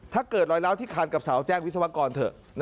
ถ้าเกิดรอยล้าวที่คานกับเสาแจ้งวิศวกรเถอะ